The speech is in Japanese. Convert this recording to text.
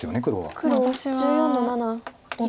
黒１４の七切り。